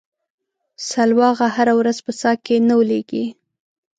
سلواغه هره ورځ په څا کې نه ولېږي.